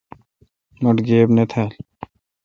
مٹھ گیب نہ تھال۔